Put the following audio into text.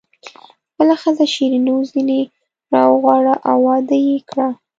خپله ښځه شیرینو ځنې راوغواړه او واده یې کړه.